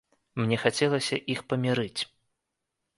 Мне хацелася іх памірыць.